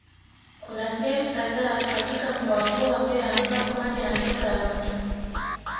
Kuna sehemu kadhaa katika mkoa huo wa Mbeya ambapo maji yanatoka ya moto